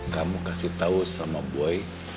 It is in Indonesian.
kamu kasih tau sama boy